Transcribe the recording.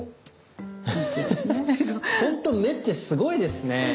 ほんと目ってすごいですね。